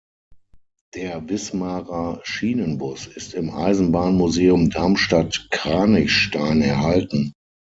Der Wismarer Schienenbus ist im Eisenbahnmuseum Darmstadt-Kranichstein erhalten.